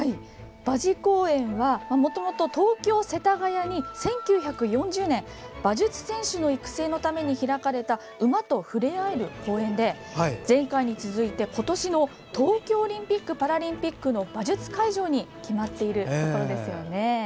馬事公苑はもともと東京・世田谷に１９４０年馬術選手の育成のため開かれた馬と触れ合える公園で前回に続いて今年の東京オリンピック・パラリンピックの馬術会場に決まっています。